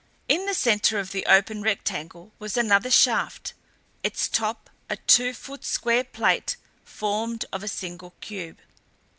In the center of the open rectangle was another shaft, its top a two foot square plate formed of a single cube.